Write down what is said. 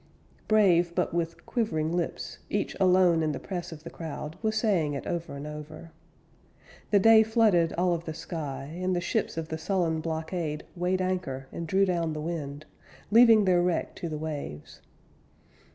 "_ Brave, but with quivering lips, Each alone in the press of the crowd, Was saying it over and over. The day flooded all of the sky; And the ships of the sullen blockade Weighed anchor and drew down the wind, Leaving their wreck to the waves.